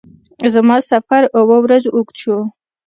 زما سفر اووه ورځو اوږد شو.